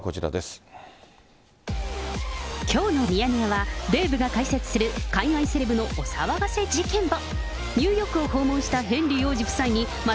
きょうのミヤネ屋は、デーブが解説する海外セレブのお騒がせ事件簿。